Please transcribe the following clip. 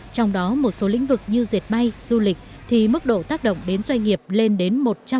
trong đó một số lĩnh vực như diệt bay du lịch thì mức độ tác động đến doanh nghiệp lên đến một trăm linh